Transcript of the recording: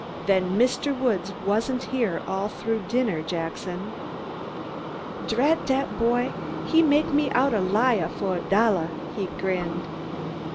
"Then Mr. Woods wasn't here all through dinner, Jackson?" "Drat dat boy, he make me out a liah fo' a dollah," he grinned.